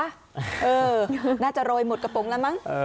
อัฮะน่าจะโรยหมดกระปุ๋นละมั้ง